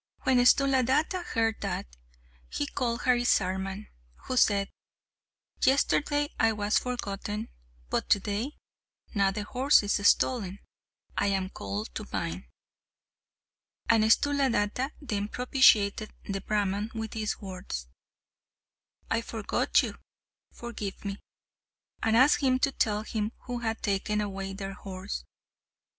When Sthuladatta heard that, he called Harisarman, who said, "Yesterday I was forgotten, but to day, now the horse is stolen, I am called to mind," and Sthuladatta then propitiated the Brahman with these words "I forgot you, forgive me" and asked him to tell him who had taken away their horse.